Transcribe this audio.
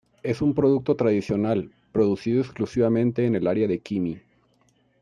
Es un producto tradicional, producido exclusivamente en el área de Kimi.